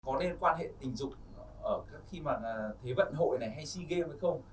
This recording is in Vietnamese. có nên quan hệ tình dục ở các khi mà thế vận hội này hay sea games hay không